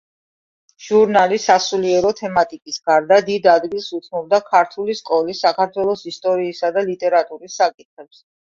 ჟურნალი სასულიერო თემატიკის გარდა დიდ ადგილს უთმობდა ქართული სკოლის, საქართველოს ისტორიისა და ლიტერატურის საკითხებს.